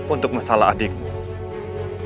untuk masalah adikmu